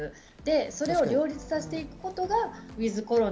それを両立させていくことがｗｉｔｈコロナ。